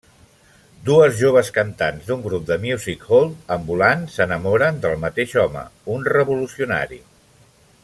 Dues joves cantants d’un grup de music-hall ambulant s’enamoren del mateix home, un revolucionari.